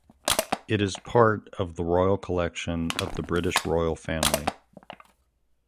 It is part of the Royal Collection of the British royal family.